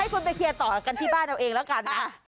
คุณไปเคลียร์ต่อกันที่บ้านเอาเองแล้วกันนะ